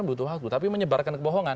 butuh waktu tapi menyebarkan kebohongan